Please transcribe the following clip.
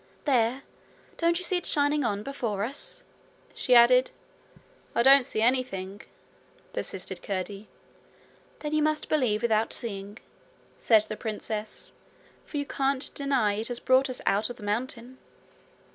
'There! don't you see it shining on before us?' she added. 'I don't see anything,' persisted Curdie. 'Then you must believe without seeing,' said the princess; 'for you can't deny it has brought us out of the mountain.'